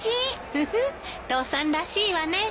フフッ父さんらしいわね。